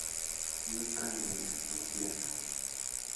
Nunca amenazó tierra.